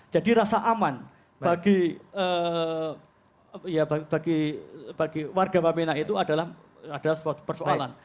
jadi rasa aman bagi warga bambina itu adalah suatu persoalan